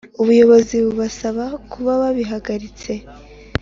ubuyobozi bubasaba kuba babihagaritse